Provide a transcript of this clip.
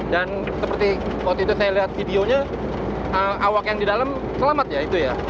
dan seperti waktu itu saya lihat videonya awak yang di dalam selamat ya itu ya